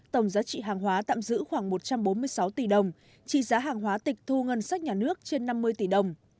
tổng giá trị hàng hóa tạm giữ khoảng một trăm bốn mươi sáu tỷ đồng trị giá hàng hóa tịch thu ngân sách nhà nước trên năm mươi tỷ đồng